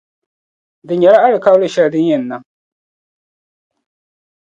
Di nyɛla alikauli shεli din yɛn niŋ.